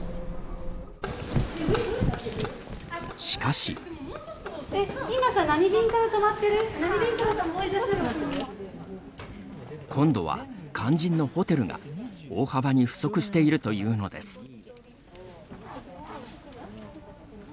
しかし。今度は肝心のホテルが大幅に不足しているというのです。